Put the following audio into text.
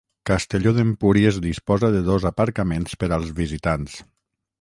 Castelló d'Empúries disposa de dos aparcaments per als visitants.